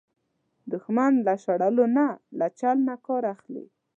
دښمن له شړلو نه، له چل نه کار اخلي